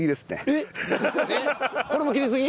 えっこれも切りすぎ？